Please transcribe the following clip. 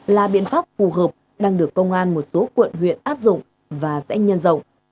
là biện pháp phù hợp đang được công an một số quận huyện áp dụng và sẽ nhân rộng